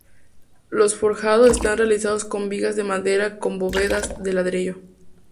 Los forjados están realizados con vigas de madera con bóvedas de ladrillo.